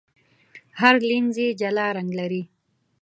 هر لینز یې جلا رنګ لري.